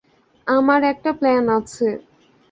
আমার একটা প্ল্যান আছে।